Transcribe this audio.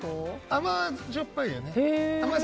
甘じょっぱいよね。